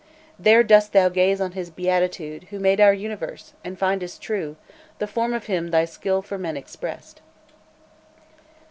"There dost thou gaze on His beatitude Who made our universe, and findest true The form of Him thy skill for men expressed."